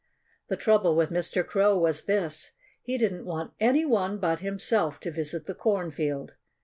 The trouble with Mr. Crow was this: He didn't want any one but himself to visit the cornfield.